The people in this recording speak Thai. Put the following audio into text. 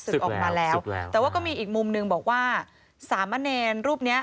สึกออกมาแล้วแต่ว่าก็มีอีกมุมนึงบอกว่าสามเมอเนนรูปนี้